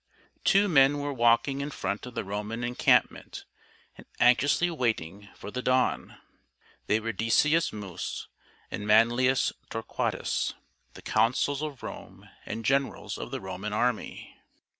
Two men were walking in front of the Roman encampment and anxiously waiting for the dawn. They were Decius Mus and Manlius Torquatug, the .consuls of Rome and generals of the Roman army.